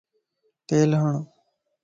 تيل ھڻ